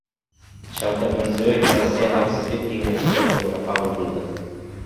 Shavkat Mirziyoyev Rossiya Xavfsizlik kengashi kotibini qabul qildi